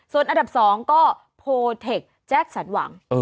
ส่วนอันดับ๒ก็โพเทคแจ็คสันหวัง